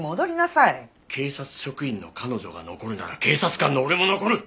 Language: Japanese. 警察職員の彼女が残るなら警察官の俺も残る！